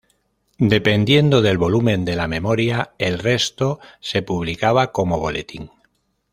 Dependiendo del volumen de la "Memoria", el resto se publicaba como "Boletín".